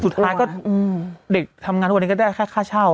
สุดท้ายเด็กทำงานแค่ค่าเช่า